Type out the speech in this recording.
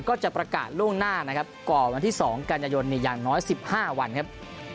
ก็จะประกาศล่วงหน้านะครับก่อนวันที่๒กันยายนอย่างน้อย๑๕วันครับ